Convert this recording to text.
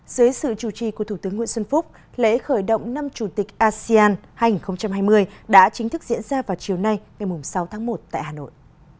dưới sự chủ trì của thủ tướng nguyễn xuân phúc lễ khởi động năm chủ tịch asean hai nghìn hai mươi đã chính thức diễn ra vào chiều nay ngày sáu tháng một tại hà nội